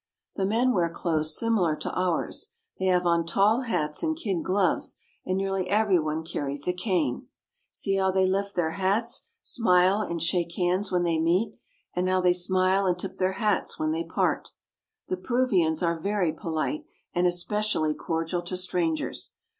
The men wear clothes similar to ours. They have on tall hats and kid gloves, and nearly every one carries a cane. See how they lift their hats, smile, and shake hands when they meet, and how they smile and tip their hats when they part. The Peruvians are very polite, and especially cordial to strangers.